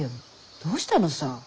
どうしたのさ？